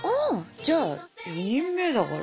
じゃあ４人目だから。